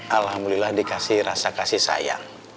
alhamdulillah dikasih rasa kasih sayang